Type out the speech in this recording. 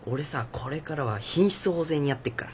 これからは品質方正にやってくから。